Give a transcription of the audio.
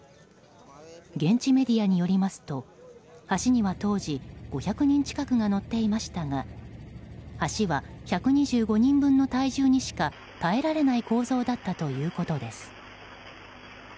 現地メディアによりますと橋には当時５００人近くが乗っていましたが橋は１２５人分の体重にしか耐えられない構造だったということです。